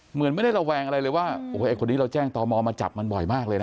เหมือนไม่ได้ระแวงอะไรเลยว่าโอ้โหไอ้คนนี้เราแจ้งต่อมอมาจับมันบ่อยมากเลยนะ